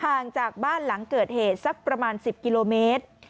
ห่างจากบ้านหลังเกิดเหตุสักประมาณ๑๐กิโลเมตร